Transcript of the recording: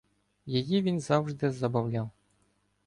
Її він завжде забавляв: